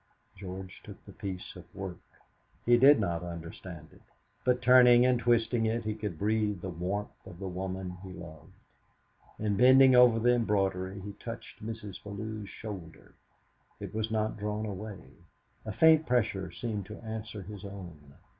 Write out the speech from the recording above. George took the piece of work. He did not understand it, but turning and twisting it he could breathe the warmth of the woman he loved. In bending over the embroidery he touched Mrs. Bellew's shoulder; it was not drawn away, a faint pressure seemed to answer his own.